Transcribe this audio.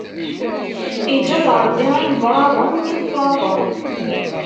Iǧǧa-d Ṛebbi imebraḍen, imefraḍen.